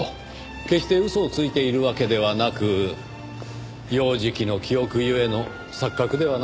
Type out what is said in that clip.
決して嘘をついているわけではなく幼児期の記憶ゆえの錯覚ではないでしょうかね。